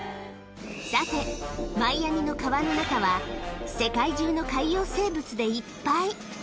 さて、マイアミの川の中は、世界中の海洋生物でいっぱい。